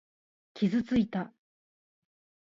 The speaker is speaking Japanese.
傷ついた。